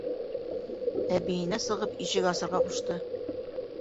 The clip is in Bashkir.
Әбейенә сығып ишек асырға ҡушты.